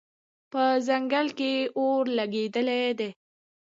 په ځنګل کې اور لګېدلی دی